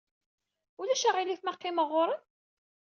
Ulac aɣilif ma qqimeɣ ɣer-m?